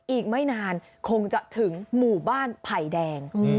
อีกไม่นานคงจะถึงหมู่บ้านไผ่แดง